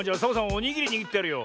おにぎりにぎってやるよ。